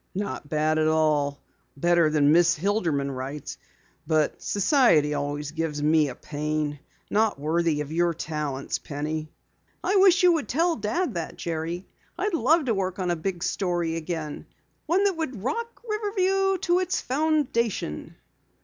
"Not bad at all. Better than Miss Hilderman writes. But society always gives me a pain. Not worthy of your talents, Penny." "I wish you would tell Dad that, Jerry. I'd love to work on a big story again one that would rock Riverview on its foundation!"